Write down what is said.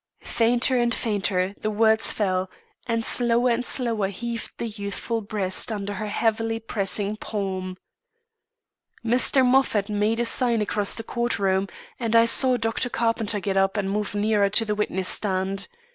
Fainter and fainter the words fell, and slower and slower heaved the youthful breast under her heavily pressing palm. Mr. Moffat made a sign across the court room, and I saw Dr. Carpenter get up and move nearer to the witness stand.